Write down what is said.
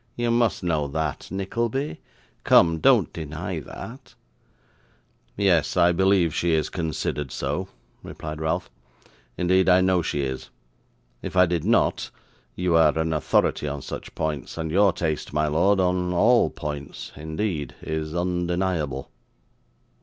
'You must know that, Nickleby. Come, don't deny that.' 'Yes, I believe she is considered so,' replied Ralph. 'Indeed, I know she is. If I did not, you are an authority on such points, and your taste, my lord on all points, indeed is undeniable.